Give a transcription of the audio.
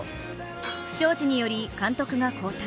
不祥事により監督が交代。